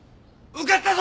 受かったぞ！